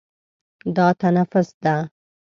دا تنفس ده.